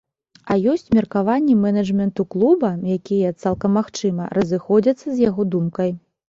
А ёсць меркаванні менеджменту клуба, якія, цалкам магчыма, разыходзяцца з яго думкай.